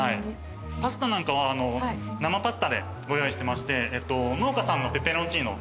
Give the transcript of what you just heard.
パスタなんかは生パスタでご用意してまして農家さんのペペロンチーノ。